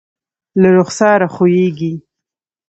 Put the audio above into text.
له رخسار ښویېږي